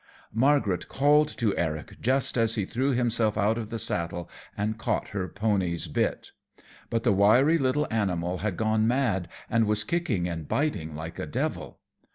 Margaret called to Eric just as he threw himself out of the saddle and caught her pony's bit. But the wiry little animal had gone mad and was kicking and biting like a devil.